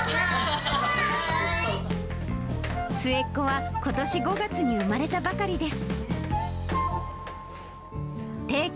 末っ子はことし５月に生まれたばかりです。